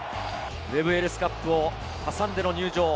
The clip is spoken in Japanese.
ウェブ・エリス・カップを挟んでの入場。